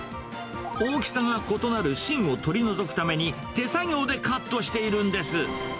大きさが異なる芯を取り除くために、手作業でカットしているんです。